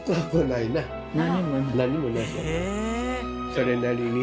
それなりに。